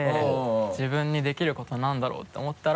自分にできることなんだろう？て思ったら。